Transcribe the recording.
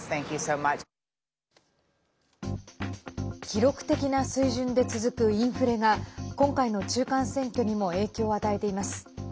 記録的な水準で続くインフレが今回の中間選挙にも影響を与えています。